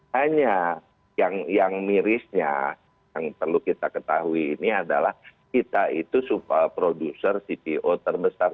hanya yang mirisnya yang perlu kita ketahui ini adalah kita itu produser cpo terbesar